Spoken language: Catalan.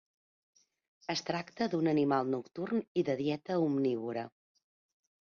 Es tracta d'un animal nocturn i de dieta omnívora.